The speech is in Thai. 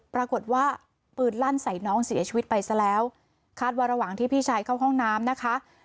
ปรากฏว่าปืนลั่นใส่น้องเสียชีวิตไปซะแล้วคาดว่าระหว่างที่พี่ชายเข้าห้องน้ำนะคะ